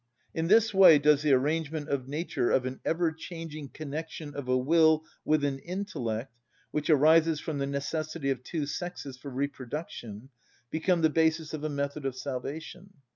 In this way does the arrangement of nature of an ever‐changing connection of a will with an intellect, which arises from the necessity of two sexes for reproduction, become the basis of a method of salvation.